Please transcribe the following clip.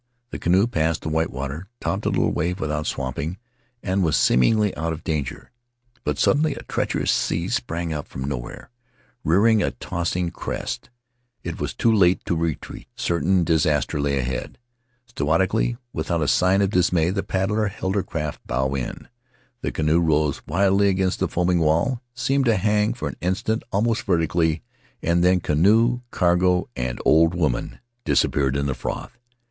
The canoe passed the white water, topped a little wave without swamping, and was seemingly out of danger; but suddenly a treacherous sea sprang up from nowhere, rearing a tossing crest. It was too late to retreat — certain dis aster lay ahead. Stoically, without a sign of dismay, the paddler held her craft bow on; the canoe rose wildly against the foaming wall, seemed to hang for an instant almost vertically, and then canoe, cargo, and old woman disappeared in the froth.